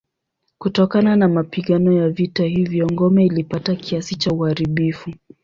Kutokana na mapigano ya vita hivyo ngome ilipata kiasi cha uharibifu.